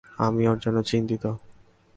আমি ওর জন্য চিন্তিত।